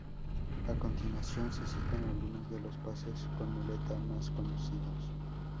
A continuación se citan algunos de los pases con muleta más conocidos.